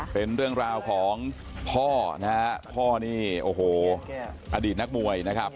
เป็นเรื่องราวของพ่อนะฮะพ่อนี่โอ้โหอดีตนักมวยนะครับ